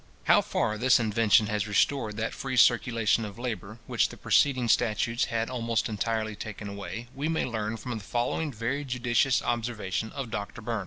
How far this invention has restored that free circulation of labour, which the preceding statutes had almost entirely taken away, we may learn from the following very judicious observation of Doctor Burn.